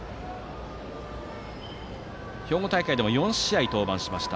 兵庫大会では４試合登板しました。